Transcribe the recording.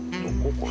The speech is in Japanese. これ」